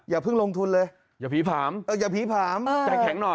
อย่าพึ่งลงทุนเลยอย่าผีผาหม